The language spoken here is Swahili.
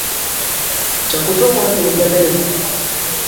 Cha kutumwa hakinipendezi.